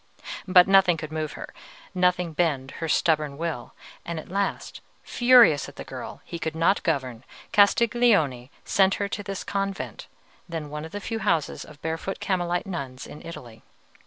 But nothing could move her, nothing bend her stubborn will; and at last, furious at the girl he could not govern, Castiglione sent her to this convent, then one of the few houses of barefoot Carmelite nuns in Italy.